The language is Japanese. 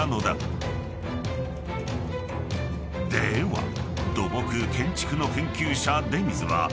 ［では土木・建築の研究者出水はこれを］